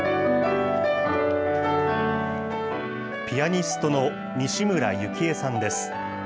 ピアニストの西村由紀江さんです。